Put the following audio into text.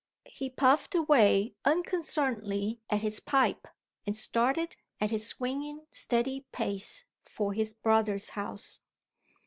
He puffed away unconcernedly at his pipe, and started, at his swinging, steady pace, for his brother's house.